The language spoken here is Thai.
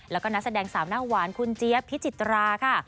แล้วก็นักแสดงสาวหน้าหวานคุณเจี๊ยบพิจิตราค่ะ